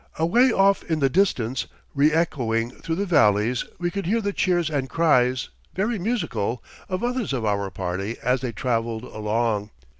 Away off in the distance, reëchoing through the valleys, we could hear the cheers and cries, very musical, of others of our party as they traveled along.